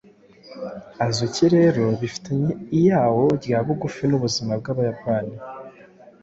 Azuki rero bifitanye iano rya bugufi nubuzima bwabayapani